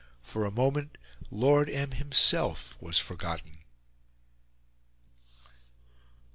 For a moment Lord M. himself was forgotten.